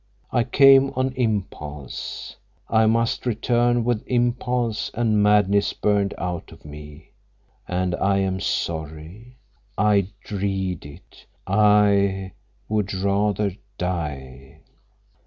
I came on impulse; I must return with impulse and madness burned out of me. And I am sorry. I dread it. I—would rather die."